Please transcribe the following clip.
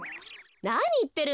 なにいってるの？